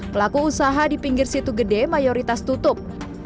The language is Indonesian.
pelaku usaha di pinggir situ gede mayoritas tutup